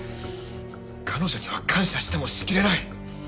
彼女には感謝してもしきれない。